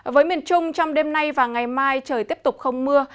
với miền trung trong đêm nay và ngày mai trời tiếp tục không mưa